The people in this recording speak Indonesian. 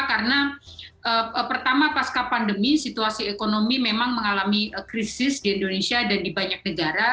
karena pertama pasca pandemi situasi ekonomi memang mengalami krisis di indonesia dan di banyak negara